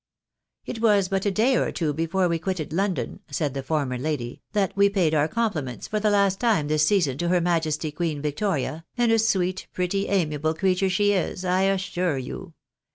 " It was but a day or two before we auitted London," said the MRS. BAENABY THUNDERSTRUCK. 45 former lady, " that we paid our compliments for the last time this season to her Majesty Queen Victoria, and a sweet, pretty, amiable creature she is, I assure you.